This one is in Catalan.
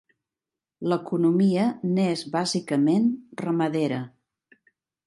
L'economia n'és bàsicament ramadera.